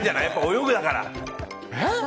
泳ぐだから。